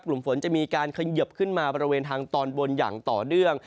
กลุ่มฝนจะมีการเขยิบขึ้นมาบริเวณทางตอนบนอย่างต่อเนื่อง